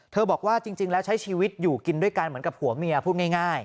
บอกว่าจริงแล้วใช้ชีวิตอยู่กินด้วยกันเหมือนกับผัวเมียพูดง่าย